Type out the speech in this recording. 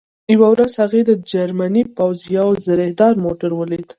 یوه ورځ هغې د جرمني پوځ یو زرهدار موټر ولید